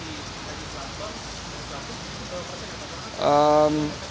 yang kamu penuhi target nya di negara